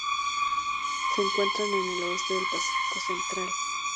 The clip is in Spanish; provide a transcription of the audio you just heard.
Se encuentran en el oeste del Pacífico central.